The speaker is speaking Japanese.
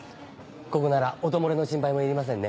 ここなら音漏れの心配もいりませんね。